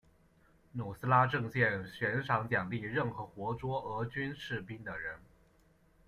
努斯拉阵线悬赏奖励任何活捉俄军士兵的人。